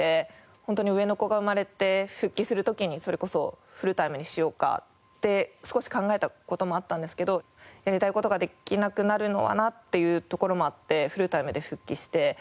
ホントに上の子が産まれて復帰する時にそれこそフルタイムにしようかって少し考えた事もあったんですけどやりたい事ができなくなるのはなっていうところもあってフルタイムで復帰して。